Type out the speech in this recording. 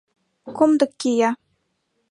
Комдык кия.